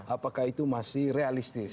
apakah itu masih realistis